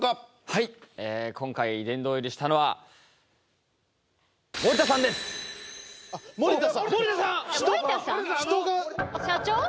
はい今回殿堂入りしたのは森田さんが？